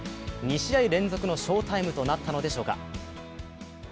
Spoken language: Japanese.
２試合連続の翔タイムとなったのでしょうか。